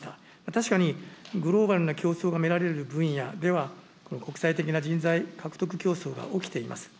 確かに、グローバルな競争が見られる分野では、国際的な人材獲得競争が起きています。